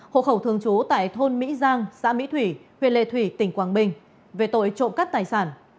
hộ khẩu thường trú tại thôn mỹ giang xã mỹ thủy huyện lệ thủy tỉnh quảng bình về tội trộm cắt tài sản